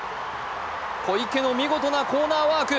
小池の見事なコーナーワーク。